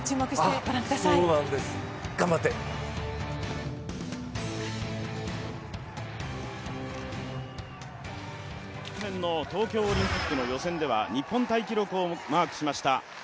昨年の東京オリンピックの予選では日本タイ記録をマークしました。